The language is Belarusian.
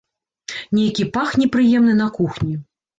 Нейкі пах непрыемны на кухні.